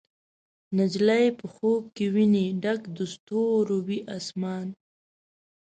نجلۍ په خوب کې ویني ډک د ستورو، وي اسمان